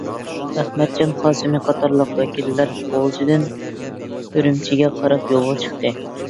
ئەخمەتجان قاسىمى قاتارلىق ۋەكىللەر غۇلجىدىن ئۈرۈمچىگە قاراپ يولغا چىقتى.